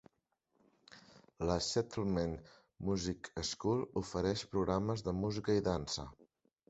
La Settlement Music School ofereix programes de música i dansa.